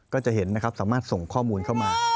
ก็จะเห็นนะครับสามารถส่งข้อมูลเข้ามา